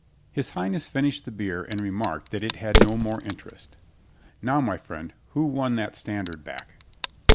His Highness finished the beer and remarked that it had no more interest. "Now, my friend, who won that standard back?"